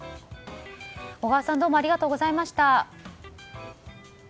小川さんどうもありがとうございました。